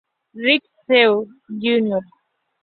Ricky Stenhouse Jr.